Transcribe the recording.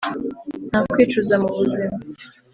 nta kwicuza mubuzima,